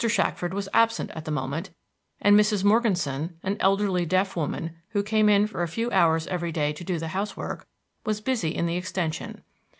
Shackford was absent at the moment, and Mrs. Morganson, an elderly deaf woman, who came in for a few hours every day to do the house work, was busy in the extension.